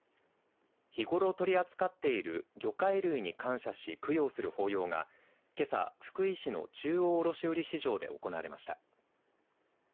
日頃取り扱っている魚介類に感謝し供養する法要が、けさ福井市の中央卸売市場で行われました。